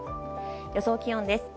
予想気温です。